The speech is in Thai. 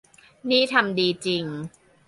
นี่ทำดีจริง